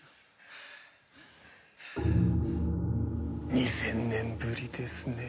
２０００年ぶりですねえ。